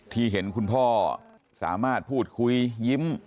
ที่เห็นคุณพ่อสามารถพูดคุยยิ้ม